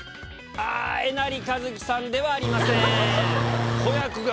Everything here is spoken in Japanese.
えなりかずきさんではありません。